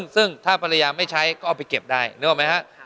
ซึ่งถ้าภรรยาไม่ใช้ก็เอาไปเก็บได้นึกออกไหมฮะ